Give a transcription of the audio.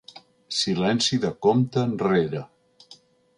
Silenci de compte enrere.